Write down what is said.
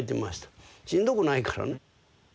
しんどくないからね。